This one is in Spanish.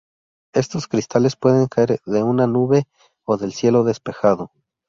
Estos cristales pueden caer de una nube o del cielo despejado.